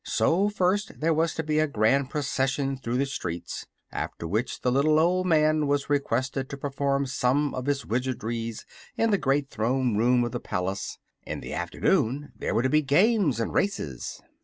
So first there was to be a grand procession through the streets, after which the little old man was requested to perform some of his wizardries in the great Throne Room of the palace. In the afternoon there were to be games and races.